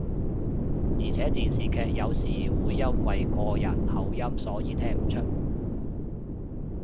而且電視劇有時會因為個人口音所以聽唔出